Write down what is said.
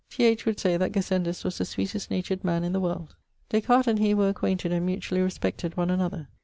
T. H. would say that Gassendus was the sweetest natured man in the world. Des Cartes and he were acquainted and mutually respected one another.